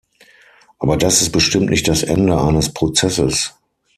Aber das ist bestimmt nicht das Ende eines Prozesses.